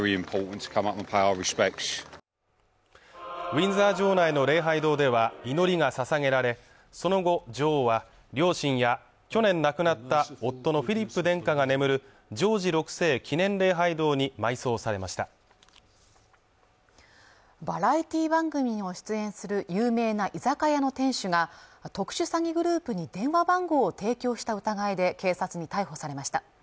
ウィンザー城内の礼拝堂では祈りがささげられその後女王は両親や去年亡くなった夫のフィリップ殿下が眠るジョージ６世記念礼拝堂に埋葬されましたバラエティー番組にも出演する有名な居酒屋の店主が特殊詐欺グループに電話番号を提供した疑いで警察に逮捕されました